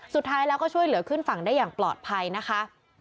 สุดท้ายแล้วก็ช่วยเหลือขึ้นฝั่งได้อย่างปลอดภัยนะคะ